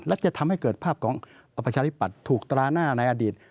และจะทำให้เกิดภาพของประชาธิปัตย์ถูกตราหน้าในอดีต